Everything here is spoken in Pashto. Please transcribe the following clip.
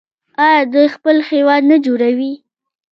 آیا دوی خپل هیواد نه جوړوي؟